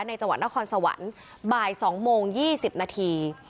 จังหวัดนครสวรรค์บ่าย๒โมง๒๐นาที